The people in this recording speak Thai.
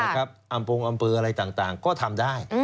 อำโปรงอำเปออะไรต่างก็ทำได้